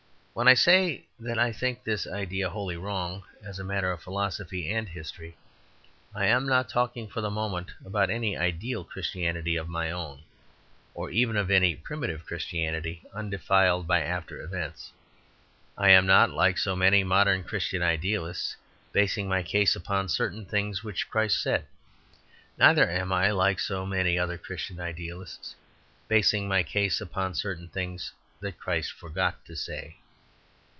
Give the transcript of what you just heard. When I say that I think this idea wholly wrong as a matter of philosophy and history, I am not talking for the moment about any ideal Christianity of my own, or even of any primitive Christianity undefiled by after events. I am not, like so many modern Christian idealists, basing my case upon certain things which Christ said. Neither am I, like so many other Christian idealists, basing my case upon certain things that Christ forgot to say.